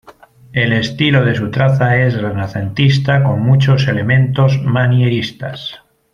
El estilo de su traza es renacentista con muchos elementos manieristas.